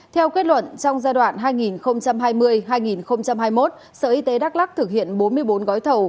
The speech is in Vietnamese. theo kết luận trong giai đoạn hai nghìn hai mươi hai nghìn hai mươi một sở y tế đắk lắc thực hiện bốn mươi bốn gói thầu